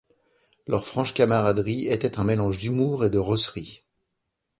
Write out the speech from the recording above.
Leur franche camaraderie était un mélange d'humour et de rosserie.